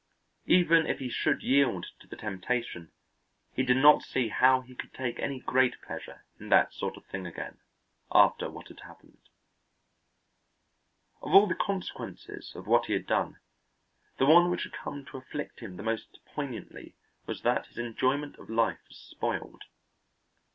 Even if he should yield to the temptation, he did not see how he could take any great pleasure in that sort of thing again, after what had happened. Of all the consequences of what he had done, the one which had come to afflict him the most poignantly was that his enjoyment of life was spoiled.